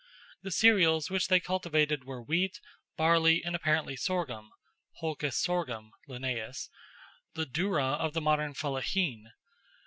The cereals which they cultivated were wheat, barley, and apparently sorghum (Holcus sorghum, Linnaeus), the doora of the modern fellaheen.